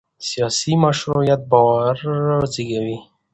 سیاسي مشروعیت باور زېږوي